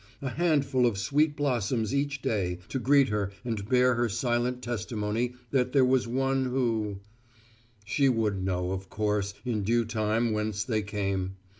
A handful of sweet blossoms each day to greet her and bear her silent testimony that there was one who She would know, of course, in due time whence they came.